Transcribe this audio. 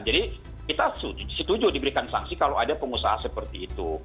jadi kita setuju diberikan sanksi kalau ada pengusaha seperti itu